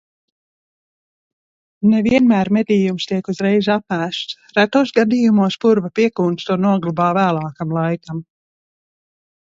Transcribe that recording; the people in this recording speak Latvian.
Ne vienmēr medījums tiek uzreiz apēsts, retos gadījumos purva piekūns to noglabā vēlākam laikam.